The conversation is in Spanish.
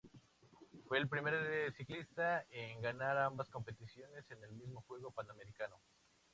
Fue el primer ciclista en ganar ambas competiciones en el mismo Juego Panamericano.